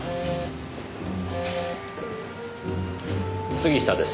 杉下です。